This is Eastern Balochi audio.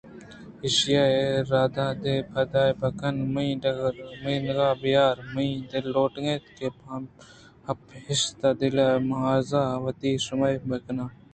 ایشیءَرارَدے پَدّئے ءِ بہ کنءُ منی غارءَ بیار: منی دل لوٹگ ءَ اِنت کہ ہپشاہ ءِ دلءُ مازہاں وتی شامے بِہ کناں